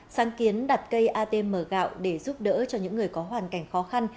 sáng kiến đặt cây atm gạo để giúp đỡ cho những người có hoàn cảnh khó khăn